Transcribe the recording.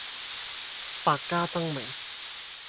百家爭鳴